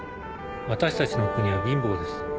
私たちの国は貧乏です。